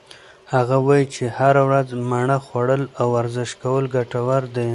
هغه وایي چې هره ورځ مڼه خوړل او ورزش کول ګټور دي.